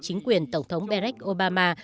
chính quyền tổng thống barack obama